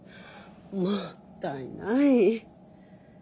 もったいない。